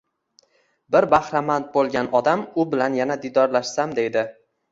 bir bahramand bo’lgan odam “U bilan yana diydorlashsam…” deydi